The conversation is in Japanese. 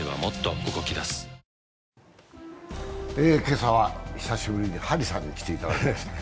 今朝は久しぶりに張さんに来ていただきました。